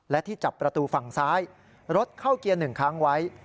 และที่จับประตูฝั่งซ้ายรถเข้าเกียร์๑ครั้งไว้